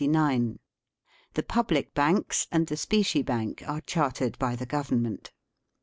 The public banks and the specie bank are chartered by the Government.